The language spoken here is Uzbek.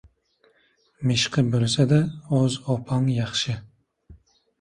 • Mishqi bo‘lsa-da o‘z opang yaxshi.